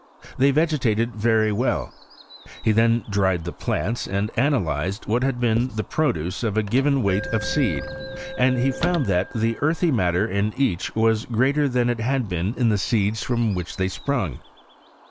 They vege tated very well. He then dried the plants, and analyzed what had been the produce of a given G 2 84 HISTORY OF CHEMISTRY. weight of seed, and he found that the earthy matter in each was greater than it had been in the seeds from which they sprung.